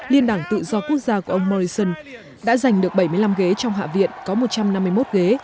liên đảng tự do quốc gia của ông morrison đã giành được bảy mươi năm ghế trong hạ viện có một trăm năm mươi một ghế